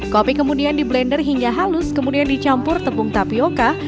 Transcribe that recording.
kopi kemudian diblender hingga halus kemudian dicampur tepung tapioca